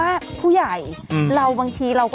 อ่านไปอ่านมา